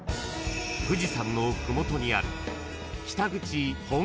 ［富士山の麓にある］